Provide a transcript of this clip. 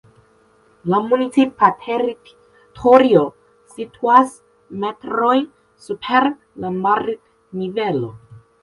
La municipa teritorio situas metrojn super la marnivelo.